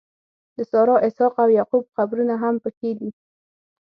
د سارا، اسحاق او یعقوب قبرونه هم په کې دي.